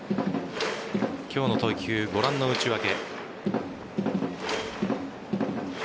今日の投球、ご覧の内訳。